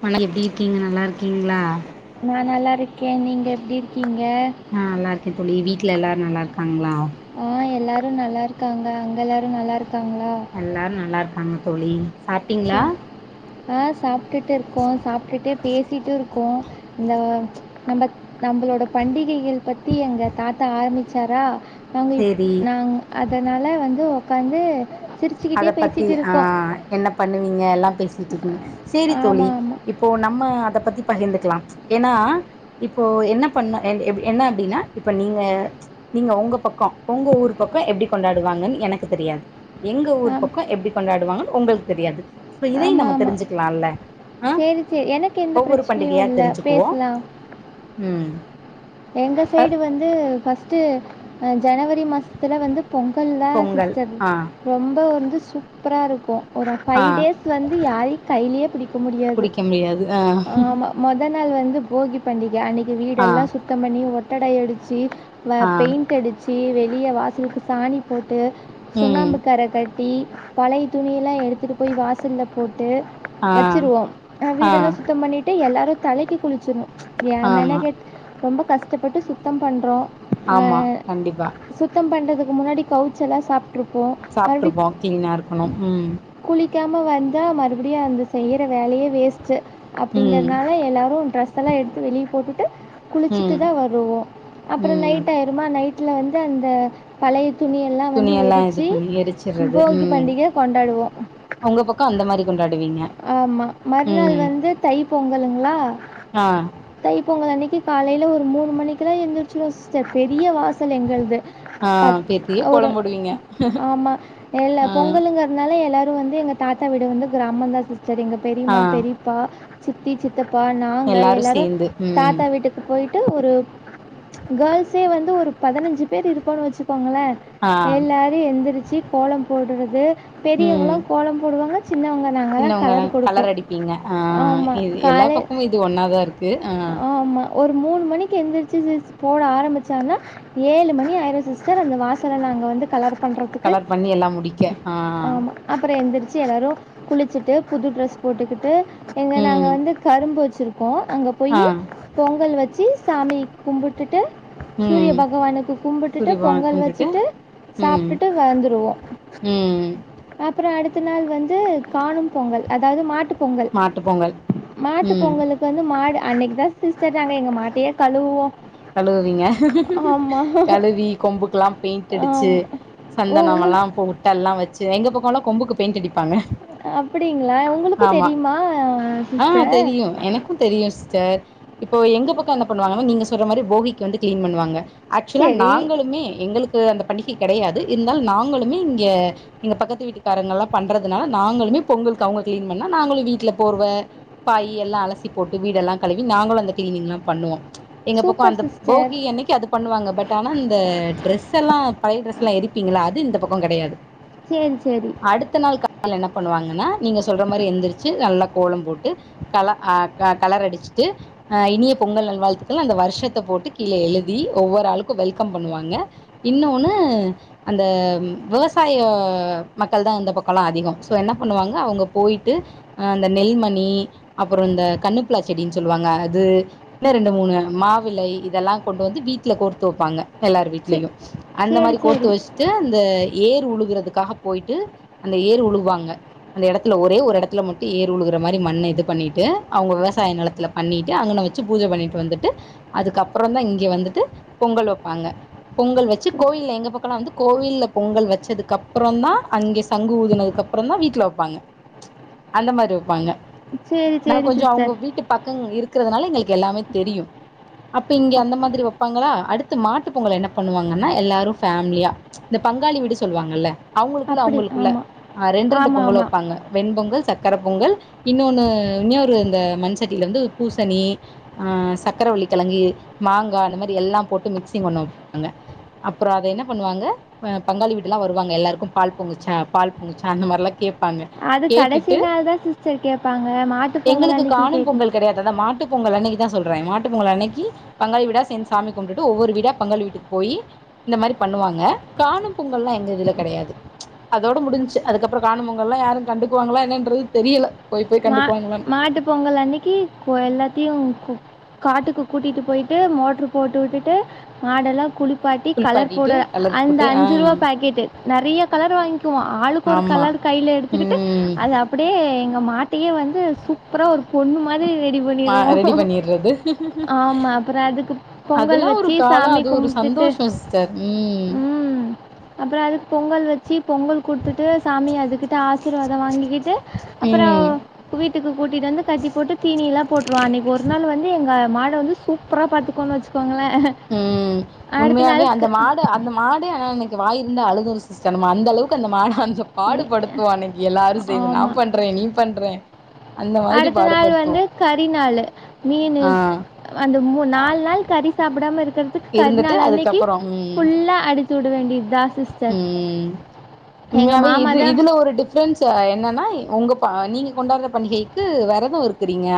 மழை [unintelligible] எப்படி இருக்கீங்க நல்லா இருக்கீங்களா நான் நல்லா இருக்கேன் நீங்க எப்படி இருக்கீங் ஆஹ் நல்லாருக்கேன் தோழி வீட் வீட்டில எல்லாரும் நல்லா இருக்காங்களா ஆஹ் எல்லாரும் நல்லா இருக்காங்க அங்க எல்லாரும் நல்லா இருக் எல்லாரும் நல்லா இருக்காங்க தோழி சாப்பிட்டிங்களா ஆஹ் சாப்பிட்டுட்டு இருக்கோம் சாப்பிட்டுட்டே பேசிட்டு இருக்கோம் இந்த நம்ம நம்மளோட பண்டிகைகள் பத்தி எங்க தாத்தா ஆரம்பிச்சாரா நாங்கப் சேரி நாங்க் அதனால் வந்து உ்காந்து சிரிச்சுக்கிட்டே பேசிட்டு இருக்கோம் ங்க எல்லாம் பேசட்டு இருக்கீங்க சரி தோழி ஆமா ஆமா இப்போ நம்ம பத்தி பகிர்ந்துக்கலாம் ஏன்னா இப்போ என்ன பண்ண என்ன அப்படின்னா இப்ப நீங்க நீங்க உங்க பக் பக்கம் உங்க ஊர் பக்கம் எப்படி கொண்டாடுவாங்கன்னு எனக்கு தெரியாது எங்க ஊர் ஆம் பக்கம் எப்படி கொண்டாடுவாங்கன்னு உங்களுக்கு தெரியாது சோ இதையும் ஆமா நம்ம ஆமா தெரிஞ்சுக்கலாம்ல்ல சேரி சேரி எனக்கு எந்த பிரச்சனையும் இல்ல தெரிஞ்சுக்குவோ பேசலாம் ம் எங்க அ சைடு வந்து பஸ் சூ ஹா [unintelligible] ஜனவரி மாசத்தில் வந்து பொங்கல் தான் பொங்கல் சிஸ்டர் ஆ ரொம்ப வந்து சூப்பரா இருக்கும் ஒரு ஃபைவ் டேஸ் வந்து யாரையும் கையிலயே புடிக்க முடியாது ஆஹ் ஆமாம் மொதல் நாள் வந்து போகி பண்டி ய இன்னைக்கு வீடல்லாம் சுத் பணி ஒட்டடை அடிச்சு வ ஆ பெயிண்ட் அடிச்சு வெ [unintelligible] வாசலுக்கு சாணி போட் ட்டு ம் சுண்ணாம்புக்கர க டி பழைய துணியெல்லா எடுத்து [unintelligible] போய் வாசல போட்டு ஆ வச்சிருவோம் அ ஆ வீடெல்லாம் சுத்தம் பண்ணிட்டு எல்லாரும் தலைக்கு குளிச்சணும் ஏ மேன ஆமா கேட் ரொம்ப கஷ்டப்பட்டு சுத்தம் பண்றோம் அ ஆமா கண்டிப்பா சுத்தம் பண்றது முன்னாடி கவுச்சல்லாம் சாப் சாப்பிட்டுருப்போம் கிளீனாக இருக்கணும் ம் [unintelligible] வந்தா மறுபடியும் அந்த செய்யற வேலையே வேஸ் ச ம் அப்படிங்கறனால எல்லாரும் ட்ரெஸ்ட் ல்லாம் எடுத்து வெளியே போட்டுட்டு குளிச்சிட்டு ம் தான் வருவோம் அப்புறம் ம் நைட் ஆயிரிருமா நைட் ல வந்து அந்த பழைய துணியெல்லாம் வந்து துணியெல்லா இது எரித்து பண்ணி எரிச்சடுறது போகி ம் பண்டிகை உங்க பக்கம் அந்த மாரி கொண்டாடி ஆமா மறுநாள் வந்து தை பொங்கலுங்களா ஆ தைப்பொங்கல் அன்னைக்கு காலையில ஒரு மூணு மணிக்கு த எந்திரிசிருவோ [unintelligible] பெரிய வாச ல் எங்கள்து ஆ ப பேத்திய ஒரு கோலம் போடுவீங்க ஆமா எல்ல ஆ பொங்கலுங்கிறனால எல்லாரும் வந்து எங்க தாத்தா வீடு வந்து கிராமந்த [unintelligible] சரிங்க ஆ பெரிம்மா பெரிப்பா சித்தி சித்தப்பா நாங்க எல்லாரு எல்லாரும் சேந்து ம் தாத்தா வீட்டுக்கு போயிட் ட்டூ ஒரு கேள்ஸே வந்து ஒரு பதினஞ்சு பேர் இருப்பொனு வச்சு ஆ [unintelligible] எல்லாரும் எந்திரிச்சி கோலம் போடுறது பெரியவங்கலா கோலம் போடுவாங்க சின்னவங்க நாங்கலாம் சின்னவங்கள கலர் கொடுப்போம். அடிப்பீங்க அ ஆமா. இது எல்லா காலை பக்கமும் இது ஒன்னாதான் இருக்கு அ ஆமா. ஒரு மூணு மணிக்கு எழுந்திரிச்சி சிஸ் போட ஆரம்பிச்சோம்னா ஏழு மணி ஆயிரும் சிஸ்டர் அந்த வாசலை நாங்க வந்து கலர் பண்றதுக்கு. கலர் பண்ணி எல்லாம் முடிக்க ஆ சி எல்லாரு குளிச்சுட்டு புது டிரஸ் போட்டுக்கிட்டு எங்க நாங்க ம் வந்து கரும்புச்சு போ அங்க ஆ போயி பொங்கல் வச்சி சாமி கும்புட் சூரிய ம் பகவானுக்கு கும்பிட்டுட்டு சூரியபகவான பொங்கல் கும்ட்டுட்டு வச்சுட்டு ம் சாப்பிட்டுட்டு வந்துருவோம் ம் அப்புறம் அடுத்து த்து நாள் வந்து காணும் பொங்கல் அதாவது மாட்டுப் பொங்கல் மாட்டு பொங்கல் மாட்டு ம் பொங்கலுக்கு வந்து மாடு அன்னைக்கு தான் சிஸ்டர் நாங்க எங்க மாட்டையே கழுவுவோம் கழுவிங்க ஆமா. கழுவி கொம்புக்க எல்லாம் பெயிண்ட் அடிச்சு ஆமா. ஓ! சந்தனமெல்லாம் உங்களுக்கு பொட்டெல்லாம் வச்சி எங்க பக் [unintelligible] கொம்புக்கு பெயிண்ட் அடிப் பாங்கா அப்படிங்களா? உங்களுக்கும் ஆமா தெரியுமா ஆ சிஸ்டர்? தெரியும் எனக்கும் தெரியும் சி்ஸ்டர் இப்போ எங்க பக்கம் என்ன பண்ணுவாங்க நீங்க ங்க சொல்ற மாரி போகிக்கு வந்து கிளீன் பண்ணுவாங்க ஆக்சுவலா சரி. நாங்களுமே எங்களுக்கு அந்த பண்டிகை கிடையாது இருந்தாலும் நாங்களுமே இங்க இங்க பக்கத்து வீட்டுக்காரங்க எல்லாம் பண்றதுனால நாங்களுமே பொங்கலுக்கு அவங்க கிளீன் பண்ணா நாங்களும் வீட்டுல போர்வை பாய் எல்லாம் அலசி போட்டு வீட எல்லாம் கழுவி நாங்களும் அந்த கிளீனிங் எல்லாம் பண்ணுவோம் எங்க பக்கம் சூப்பர் அந்த சிஸ்டர். போகி அன்னைக்கு அது பண்ணுவாங்க பட் ஆனா இந்த ட்ரெஸ் எல்லாம் பழைய டிரரெஸ் எல்லாம் எரிப்பீங்களா அது இந்த பக்கம் கிடையாது சரி சரி அடுத்த நாள் கால என்ன பண்ணுவாங்கன்னா நீங்க சொல்ற மாரி எந்திரச்சி நல்லா கோலம் போட்டு கல ஹ கலர் அடிச்சுட்டு இனிய பொங்கல் நல்வாழ்த்துக் ல்ல அந்த வருஷத்தை போட்டு கீழ எழுதி ஒவ்வொரு ஆளுக்கும் வெல்கம் பண்ணுவாங்க இன்னொன்னு அந்த விவசாய மக்கள் தான் இந்த பக்கம்லாம் அதிகம் சோ என்ன பண்ணுவாங்க அவங்க போயிட்டு அந்த நெல்மணி அப்புறம் இந்த கண்ணுப்புலா செடின்னு சொல்லுவாங்க அது இன்னும் ரெண்டு மூணு மாவிலை இதெல்லாம் கொண்டு வந்து வீட்ல கோர்த்து வைப்பாங்க எல்லார சே வீட்லயும் அந்த சரி மாரி கோர்த்து சரி வச்சுட்டு அந்த ஏர் உழுகுறதுக்காக போயிட்டு அந்த ஏர் உழுவாங்க அந்த இடத்துல ஒரே ஒரு இடத்துல மட்டும் ஏர் உழுகுற மாதிரி மண்ண இது பண்ணிட்டு அவங்க விவசாய நிலத்துல பண்ணிட்டு அங்க வச்சு பூஜை பண்ணிட்டு வந்துட்டு அதுக்கப்புறம் தான் இங்க வந்துட்டு பொங்கல் வைப்பாங்க பொங்கல் வச்சு சே- கோவில்ல எங்க பக்கம்ல்லாம் வந்து கோவில்ல பொங்கல் வச்சதுக்கு அப்புறம் தான் அங்க சங்கு ஊதுனதுக்கு அப்புறம் தான் வீட்டுல வைப்பாங்க அந்த மாதிரி வைப்பாங்க சரி நான் சரி கொஞ்சம் அவங்க சிஸ்டர் வீட்டு பக்க இருக்கு இருக்கறிறதுனால எங்களுக்கு எல்லாமே தெரியும் அப்ப இங்க அப் அந்த மாதிரி வைப்பாங்களா அடு த்து மாட்டு பொங்கல் என்ன பண்ணுவாங்கன்னா எல்லாரும் ஃபேமிலியா இந்த பங்காளி வீடு சொல்லுவாங்கல்ல அவங்களுக்குள்ள அப்படி அவங்களுக்குள்ள ஆமாம் ரெண்டு ரெண்டு ஆமாம் பொங்கல் ஆமாம் வைப்பாங்க ஹ வெண்பொங்கல் சக் கரைப்பொங்கல் இன்னொன்னு இன்னொரு இந்த மண்சட்டில வந்து பூசணி் ஹ ச சக்கரவள்ளி கிழங்கு மாங்காய் அந்த மாரி எல்லாம் போட்டு மிக்சிங் ஒண்ணு வப்பாங்க அப்புறம் அத என்ன பண்ணுவாங்க பங்காளி வீட்டுலாம் வருவாங்க எல்லாருக்கும் பால் பொங்குச்சா பால் பொங்குச்சா அந்த மாரிலாம் கேப் பாங்க அது கடைசி கேட்டுட்டு நாள் தான் சிஸ்டர் கேட்பாங்க மாட்டுப் பொங்கல் எங்களுக்கு அன்னைக்கு காணும் கேட்கும் பொங்கல் கிடையாது அத மாட்டு பொங்கல் அ தா சொல்றேன் மாட் ட்டு பொங்கல் அன்னக்கி பங்காளி வீடா சேந்து சாமி கும்ப்டுட்டு ஒவ்வொரு வீடா பங்காளி வீட்டுக்கு போயி இந்த மாரி பண்ணுவாங்க காணும் பொங்கல்லா எங்க இதுல கெடையாது அதோட முடிஞ்ச்சு அதுக்கப்ற காணும் பொங்கல்லா யாரு கண்டுக்குவாங்களா என்னன்றது தெரியல போய் போய் மா கண்டுக்குவாங்களான்னு மாட்டு பொங்கல் அன்னைக்கு கோயல்லாத்தையும் காட்டுக்கு கூட்டிட்டு போயிட்டு மோட்டரு போட்டு விட்டுட்டு மாடெல்லாம் குளிப் பாட்டி கலர் குளிப்பாட்டிட்டு போடர் கலர் அந்த போட்டு ஆ அஞ்சு ரூபா பாக்கெட நிறைய கலர் வாங்கிக்குவோம் ஆளுக்கு ஒரு ஆமாம் கலர் கையில் எடுத்துக்கிட்டு அது அப்படியே மாட் டீஏ வந்து சூப்புரா ஒரு பொண்ணு மாதுரிரி டி பண்ணிருவோ ரெடி பண்ணிடுறது ஆம அப்பற அதுக்கு பொங்கல் அதெல்லா ஒரு வச்சி காலோ சாமி அது ஒரு கும்ட்டுட்டு சந்தோஷோ சிஸ்டர் ம் ம் அப்ற அதுக் பொங்கல் வச் பொங்கல் குட்த்துட்டு சாமிய அதுக்குட்ட ஆசிர்வாத வாங்கிக்கிட்டு அப்பறோ ம் வீட்டுக்கு கூட்டிட்டு வந்து கத்தி போட்டு தீனீலா போட்ருவா அன்னைக் ஒர் நாள் வந்து எ ங்க மாட வந்து சூப்ரா பாத்துக்கோன்னு வச்சுக்கோங்ளே ம் உண்மயாவே அந்த மாடு அந்த மாடே அனா இன்னக்கு வாயிர் இந்தா அழுதுரு சிஸ்ட நம்ம அந் அளவுக்கு அந்த மாடா அந்த எ பாடு படுத்துவோ அன்னக்கி எல்லாரும் சேந்து நா ஆமா. பண்றே நீ பண்றே அந்த மாதிரி அடுத்த நாள் பாடுபடுத்துவோ வந்து கரிநநாளு மீனு ஆ வந்து மூ நால் நாள் கறி சாப்புடாம இருந்துட்டு கர்நாள் அன்னக்கி அதுக்கப்புறோ ஃபுல்லா அடுச் சுட வேண்டியிதா உம் உண்மையாவே மாமா இது தான், இதுல ஒருடி ண்ட் என்னென்னா உங்க நீங்க கொண்டாடுற பண்டிகைக்கு விரதம் இருக்கிறீங்க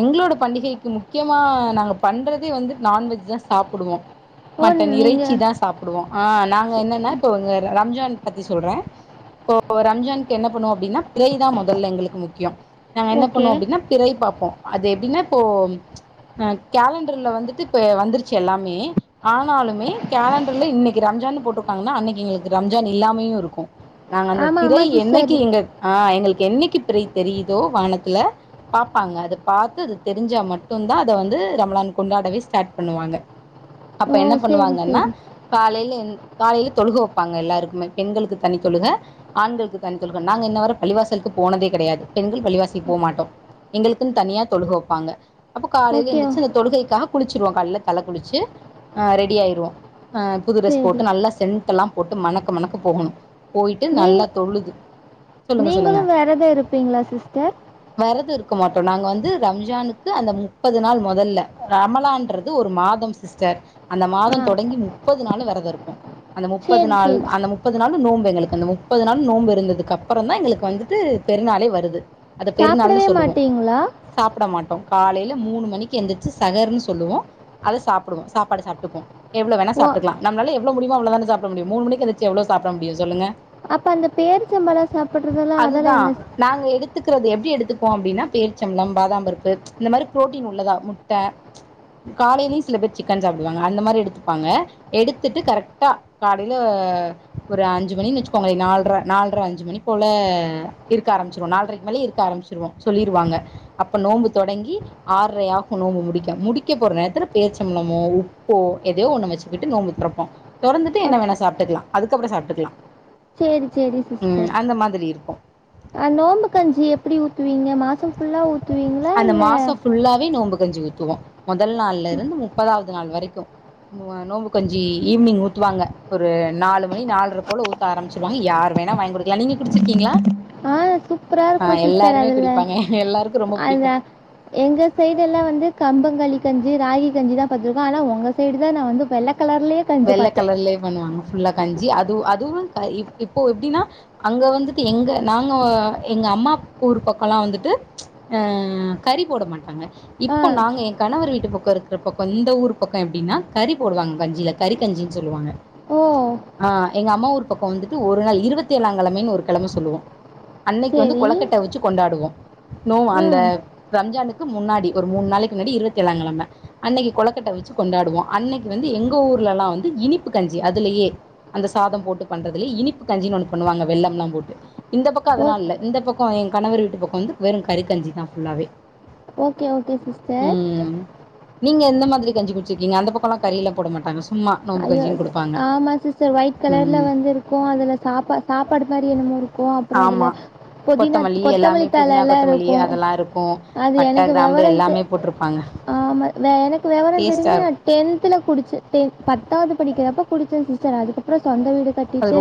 எங்களோட பண்டிகைக்கு முக்கியமா நாங்க பண்றதே வந்து நான்வெஜ் தான் சாப்பிடுவோம் "ஓ! மட்டன் நீங்க இறைச்சி தான் சாப்பிடுவோம் ஆஹ் நாங்க என்னன்னா ரம்ஜான் பத்தி சொல்றேன் இப்போ ரம்ஜான்க்கு என்ன பண்ணுவோம் அப்படின்னா பிறைதான் முதல்ல எங்களுக்கு முக்கியம் நாங்க என்ன ஓகே பண்ணுவோம் அப்படின்னா பிறை பார்ப்போம் அதே என்ன இப்போ கேலண்டர்ல வந்துட்டு வந்துருச்சு எல்லாமே ஆனாலுமே கேலண்டர்ல இன்னைக்கு ரம்ஜான்னு போட்டிருக்காங்கன்னா அன்னைக்கு எங்களுக்கு ரம்ஜான் இல்லாமையும் இருக்கும் நாங்க அந்த ஆமாம் பிறை ஆமாம் சிஸ்டர் என்னைக்கு எங்க ஆஹ் எங்களுக்கு என்னைக்கு பிறை தெரியுதோ வானத்துல பார்ப்பாங்க அதை பார்த்து அது தெரிஞ்சா மட்டும் தான் அத வந்து ரமலான் கொண்டாடவே ஸ்டார்ட் பண்ணுவாங்க அப்ப ஓ என்ன சரி பண்ணுவாங்கன்னா சரி காலையில எந் காலையில் தொழுகோணும் வெப்பாங்க எல்லாருக்குமே பெண்களுக்கு தனி தொழுக ஆண்களுக்கு தனி தொழுக நாங்க இன்ன வர பள்ளிவாசலுக்கு போனதே கிடையாது பெண்கள் பள்ளிவாசலுக்கு போகமாட்டோம் எங்களுக்குன்னு தனியா தொழுக வைப்பாங்க அப்போ காலையில் ஓகே எந்திருச்சு அ தொழுகைதான் குளிச்சு ம் காலேல தலை குளிச்சு ஹ ரெடி ஆயிருவோம் புது டிரெஸ் சரி போட்டு நல்லா சென்டெல்லாம் போட்டு மணக்க மணக்க போகணும் நீங்க சொல்லுங்க சொல்லுங்க நீங்களு வெரதம் இருப்பீங்களா சிஸ்டர் வெரதம் இருக்க மாட்டோ நாங்க வந்து ரம்ஜானுக்கு அந்த முப்பது நாள் மொதல்ல ரமலான்றது ஒரு மாதம் சிஸ்டர் அந்த மாதம் ஆ தொடங்கி மு முப்பது நாளு வெரதம் இருப்போ அந்த முப் முப்பது சரி நாள் சரி அந்த முப்பது நாள் நோன்பு எங்களுக்கு அந்த முப்பது நாள் நோன்பு இருந்ததுக்கு அப்புற தா எங்களுக்கு வந்துட்டு பெரிநாளே வருது அத பெருநாள்ன்னனு சாப்பிடவே சொல்லுவோ மாட்டீங்களா சாப்ட மாட்டோ காலையில மூணு மணிக்கு எந்திருச்சு சகர்ன்னு சொல்லுவோ அத சாப்பிடுவோ சாப்பாட சாப்ட்டுக்குவோ எவ்ள வேனா ஓ சாப்ட்டுக்லா நமால எவ்ள முடியு இவ அவ்ள வந்து சாப் ப்ட முடியு மூணு மணிக்கு எந்திச்ச எவ்ளவு சாப்பிட முடியு சொல்லுங்க அப்ப அந்த பேர்ச்சம்பள சாப்பிடுறதுெல்லா அதெல்லா என்னச் எப்டி எடுத்துப்போ அப்டின்னா பேரீச்சம்பழம் பாதாம்பருப்பு இந்த மாரி ப்ரோட்டீன் உள்ளதா முட்ட காலையிலே சில பேர் சிக்கன் சாப்டுவாங்க அந்த மாரி எடுத்துப்பாங்க எடுத்துட்டு கரெக்டா காலைல ஒரு அஞ்சு மணின் வச்சுக்கோங்களே நால்ர நால்ர அஞ்சு மணி போல இருக்க ஆரம்ச்சிருவோ நால்ரைக்கு மேல இருக்க ஆரம்ச்சிருவோ சொல்லிருவாங்க அப்போ நோம்பு தொடங்கி ஆற்ரை ஆகு நோம்பு முடிக்க முடிக்க போற நேரத்துல பேர்ச்சம்பழமோ உப்போ எதையோ ஒன்ன வச்சுக்கிட்டு நோம்பு தொறப்போ தொறந்துட் என்ன அப்- வேணா சாப்ட்டுக்லா அதுக்கப்புற சாப்ட்டுக்கலா சேரி சேரி சிஸ்டர் அஹ் நோம்பு கஞ்சி எப்டி ஊத்துவீங்க மாச பஃபுல்லா ஊத்துவீங்களா அந்த இல்ல மாசம் ஃபுல்லாவே நோம்பு கஞ்சி ஊத்துவோம் முதல் நாள்ல இருந்து முப்பதாவது நாள் வரைக்கு வ்வ நோம்பு கஞ்சி ஈவினிங் ஊத் துவாங்க ஒரு நாலு மணி நாலற போல ஊத்த ஆரம்பச்சிருவாங்க யாரு வேணா வாங்கி குடிக்கலா நீங்க குடிச்சிருக்கீங்களா ஆஹ் சூப்பரா ஆ இருக்கு சிஸர் எல்லாருமே அதுல குடிப்பாங்க எல்லாருக்கும் ரொம்ப அந்த பிடிக்கும் எங்க சைடு எல்லா வந்து கம்பங்க கஞ்சி ராகி கஞ்சி தா அதுதா ஆனா ஒங்க சைடு தா நா வந்து வெல்ல கலர்லேயே கஞ்சு வெள்ள பாத்தே கலர்லயே பண்ணுவாங்க ஃபுல்லா கஞ்சி அது அதுவு இப்போ எப்டின்னா அங்க வந்துட்டு எங்க நாங்க எங்க அம்மா ஊர் பக்கோம்ல்லா வந்துட்டு அஹ் கறி போட மாட்டாங்க ஆ. இப்போ நாங்க என் கணவர் வீட்டு பக்க இருக்குற பக்க இந்த ஊர் பக்க எப்டின்னா கறி போடுவாங்க கஞ்சில கறி கஞ்சினு சொல்லுவாங்க ஓ! ஆஹ் எங்க அம்மா ஊர் பக்கோ வந்துட்டு ஒரு நாள் இருபத்தி ஏழாம் கிழமைனு ஒரு கிழம சொல்லுவோ அன்னைக்கு வந்து சரி. கொளக்கட்ட வச்சு கொண்டாடுவோ நோ அந்த ம். ரம்ஜானுக்கு முன்னாடி ஒரு மூணு நாளைக்கு முன்னாடி இருபத்தி ஏழா கிழம அன்னைக்கு கொளக்கட்ட வச்சு கொண்டாடுவோ அன்னைக்கு வந்து எங்க ஊர் ளலா வந்து இனிப்பு கஞ்சி அதுலயே அந்த சாத போட்டு பண்றது இ இனிப்பு கஞ்சின் ஒன்னு பண்ணுவாங்க வெல்லம்லா போட்டு இந்த பக்கோ அதெல்லா ஓக் இல்ல இந்த பக் கொ எ கணவர் வீட்டு பக்கோ வந்து வெறு கறி கஞ்சி தா ஃபுல்லாவே ஓகே ஓகே சிஸ்டர் ம் நீங்க எந்த மாதிரி கஞ்சி குடிச்சிருக்கங்க அந்த பக்கம்ல்லா கரியல்லா போட மாட்டாங்கா ச் ஐயோ அது ஆமா சிஸ்டர் ஒயிட் கலர்ல ம் வந்து இருக்கூ அதுல சாப்பா சாப்பாடு மாதிரி என்னமோ இருக்கோ அப்புற ஆமா அதுல புதினா கொத்தமல்லி எல்லாமே கொத்தமல்லித்தாள புதினா எல்லா கொத்தமல்லி இருக்கு அதெல்லா இருக்கு அது பட்ட எனக்கு கிராம்பு விவர தெ எல்லாமே போட்ருப்பாங்க ஆமா எனக்கு விவர டேஸ்ட்டா தெரிஞ்சு நா இருக்கு டென்துல குடிச்சு டெ பத்தாது படிக்கிறப்ப குடிச்ச சிஸ்டர் அதுக் அப்புற சொந்த வீடு கட்டிட்டு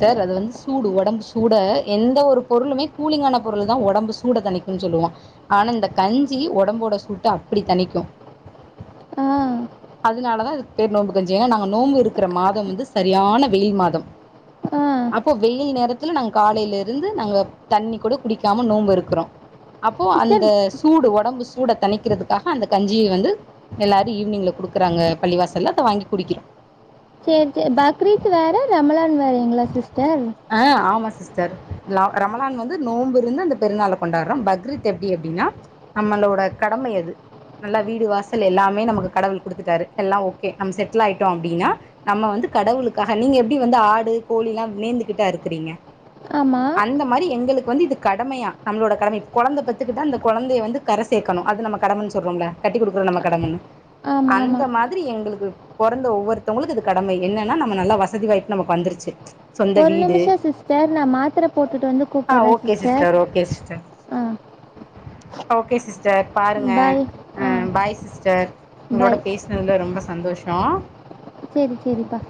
டர் அது வந்து சூடு ஒடம்பு சூட எந்த ஒரு பொருளுமே கூலிங்கான பொருள தா ஒடம்பு சூட தனிக்கும் சொல்லுவா ஆனா இந்த கஞ்சி ஒடம்போட சூட்ட அப்படி தணிக்கும் ஆ அதனாலதா இதுக்கு பேர் நோம்பு கஞ்சி என்னா நாங்க நோம்பு இருக்கிற மாதம் வந்து சரியான வெயில் மாதம் ஆ அப்போ வெயில் நேரத்துல நாங்க காலையில இருந்து நாங்க தண்ணி கூட குடிக்காம நோன்பு இருக்குறோ அப்போ சிஸ்டர் அந்த சூடு ஒட ஒடம்பு சூட தணிக்கிறதுக்காக அந்த கஞ்சிய வந்து எல்லாரு ஈவினிங்ல குடுக்குறாங்க பள்ளிவாசல்ல அத வாங்கி குடிக்கிறோ சரி சரி பக்ரீத் வேற ரமலான் வேற எங்களா சிஸ்டர் ஆ ஆமா சிஸ்டர் லா ரமலான் வந்து நோம்பு இருந்து அந்த பெருநாள கொண்டாடுறோ பக்ரீத் எப்டி அப்டின்னா நம்மளோட கடம அது நல்லா வீடு வாசல் எல்லாமே நமக்கு கடவுள் குடுத்துட்டாரு எல்லா ஓகே நம்ம செட்டில் ஆயிட்டோ அப்படின்னா நம்ம வந்து கடவுளுக்காக நீங்க எப்டி வந்து ஆடு கோழி எல்லாம் நேந்துகிட்டா அருக்கிறீங்க ஆமாம் அந்த மாதிரி எங்களுக் வந்து இது கடமையா நம்மளடமை இப்ப குழந்தை பத்துக்கிட்டா அந்த குழந்தைய வந்து கரை சேர்க்கணும் அது நம்ம கடமைன்ன சொறோம்ல கட்டி கொடுக்குறோ நம்ம கடமன்னு ஆமாம் அந்த ஆமாம் மாதிரி எங்களுக் போறந்த ஒவ்வொருத்தவங்கக்கும் இது கடமை என்னன்னா நம நல்லா வசதி வாய்ப்பு நமக்கு வந்துருச்சு சொந்த ஒரு வீடு நிமிஷம் சிஸ்டர் நான் மாத்ர போட்டுட்டு வந்து ஆ கூப்றே okay sister okay sister okay sis பாருங்க பாய் ஆ பாய் சிஸ்டர் உங்களோட பாய் பேசினதுல ரொம்ப சந்தோஷ சேரி சேரிப்பா